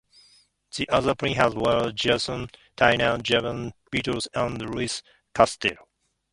The other Piranhas were Jason Tyner, Jason Bartlett, and Luis Castillo.